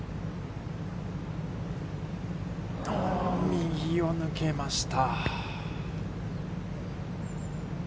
右を抜けました。